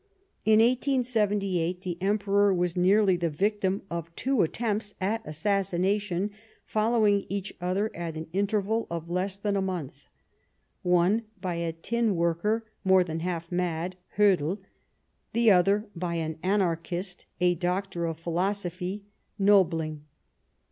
In 1878 the Emperor was nearly the victim of two attempts at assassination following each other at an interval of less than a month ; one by a tin worker, more than half mad, Hoedel ; the other by an anarchist, a doctor of philosophy, Nobiling.